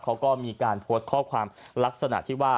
เขาก็มีการโพสต์ข้อความลักษณะที่ว่า